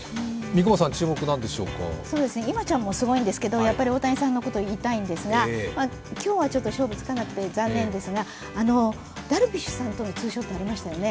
ｉｍｍａちゃんもすごいんですが、大谷さんのことを言いたいんですが、今日は勝負つかなくて残念ですが、ダルビッシュさんとのツーショットありましたよね。